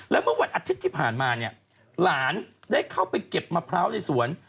แล้วเมื่อวันอาทิตย์ที่ผ่านมาเนี่ยหลานได้เข้าไปเก็บมะพร้าวในสวน